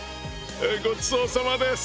ごちそうさまです！